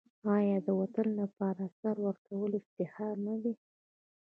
آیا د وطن لپاره سر ورکول افتخار نه دی؟